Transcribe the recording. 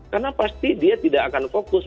karena pasti dia tidak akan fokus